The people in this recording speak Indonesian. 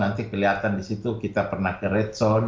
nanti kelihatan di situ kita pernah ke red zone